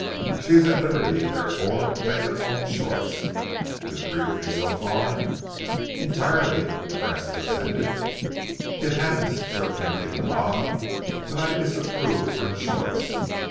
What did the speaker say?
She is at liberty, therefore, to make her own choice. You agree with me so far?" "Entirely," Francis assented. "It happens," Sir Timothy went on, "that I disapprove of her choice.